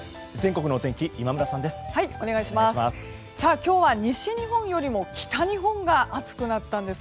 今日は西日本よりも北日本が暑くなったんです。